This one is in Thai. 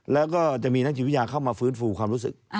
แล้วก็จะมีนักจิตวิทยาเข้ามาฟื้นฟูความรู้สึก